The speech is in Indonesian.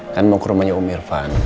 kan mau ke rumahnya om irfan